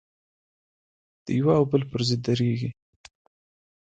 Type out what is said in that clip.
د یوه او بل پر ضد درېږي.